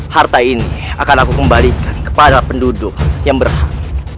harta ini akan aku kembalikan kepada penduduk yang berhak